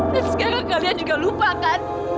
dan sekarang kalian juga lupa kan